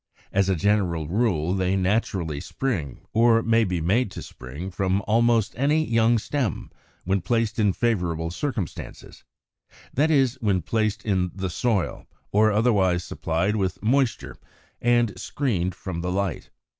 As a general rule they naturally spring, or may be made to spring, from almost any young stem, when placed in favorable circumstances, that is, when placed in the soil, or otherwise supplied with moisture and screened from the light.